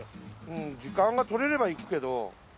ん時間が取れれば行くけど。